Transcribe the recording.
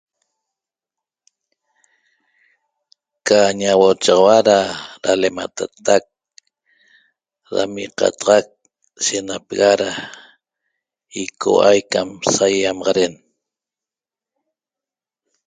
Ca ñauochaxaua da dalematatac dam iqataxac shenapega da icoua'ai cam saýaýamaxaden